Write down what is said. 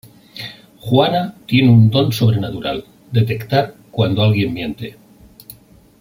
Juana tiene un don sobrenatural: Detectar cuando alguien miente.